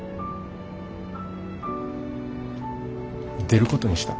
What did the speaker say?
出ることにした。